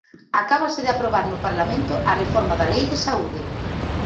Acábase de aprobar no Parlamento a reforma da Lei de saúde.